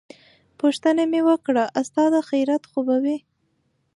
پوښتنه مې وکړه استاده خيريت خو به وي.